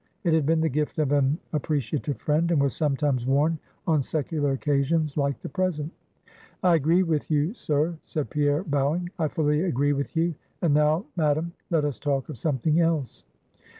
It had been the gift of an appreciative friend, and was sometimes worn on secular occasions like the present. "I agree with you, sir" said Pierre, bowing. "I fully agree with you. And now, madam, let us talk of something else."